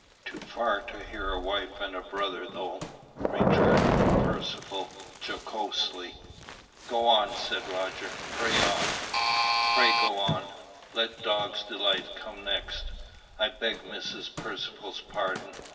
"Too far to hear a wife and a brother, though," returned Percivale jocosely. "Go on," said Roger; "pray go on. Let dogs delight comes next. I beg Mrs. Percivale's pardon.